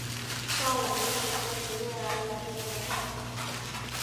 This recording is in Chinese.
让我们用一个实例来演示这个算法。